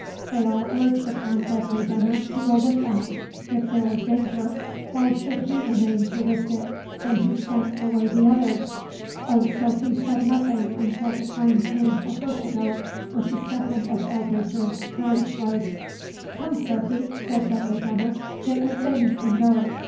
They all urged upon Dudley Veneer to go with them: if there was danger, why should he remain to risk it, when he sent away the others? Old Sophy said nothing until the time came for her to go with the second of Elbridge's carriage loads. "Come, Sophy," said Dudley Veneer, "get your things and go.